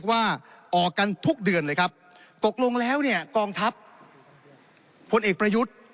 ว่าออกกันทุกเดือนเลยครับตกลงแล้วเนี่ยกองทัพพลเอกประยุทธ์